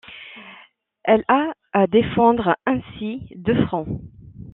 Elle a à défendre ainsi de front.